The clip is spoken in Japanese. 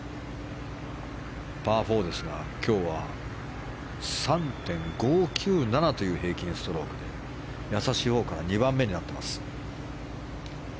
パー４ですが今日は３．５９７という平均ストロークでやさしいほうから２番目です。